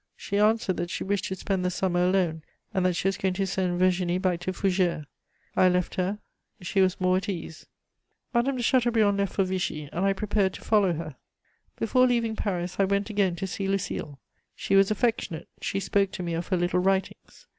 She answered that she wished to spend the summer alone, and that she was going to send Virginie back to Fougères. I left her; she was more at ease. Madame de Chateaubriand left for Vichy, and I prepared to follow her. Before leaving Paris I went again to see Lucile. She was affectionate; she spoke to me of her little writings.